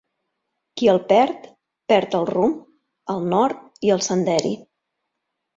Qui el perd, perd el rumb, el nord i el senderi.